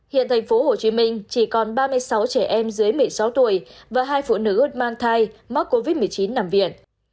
hiện tp hcm chỉ còn ba mươi sáu trẻ em dưới một mươi sáu tuổi và hai phụ nữ mang thai mắc covid một mươi chín nằm viện